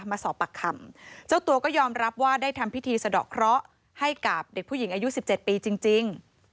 มาสอบปากคำเจ้าตัวก็ยอมรับว่าได้ทำพิธีสะดอกเคราะห์ให้กับเด็กผู้หญิงอายุ๑๗ปีจริง